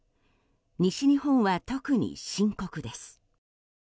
西日本は特に深刻です。